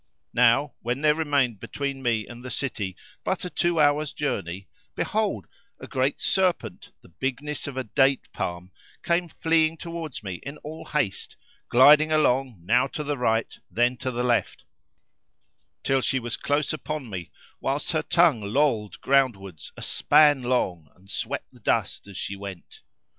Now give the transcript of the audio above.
Now when there remained between me and the city but a two hours' journey behold, a great serpent, the bigness of a date palm, came fleeing towards me in all haste, gliding along now to the right then to the left till she was close upon me, whilst her tongue lolled ground wards a span long and swept the dust as she went.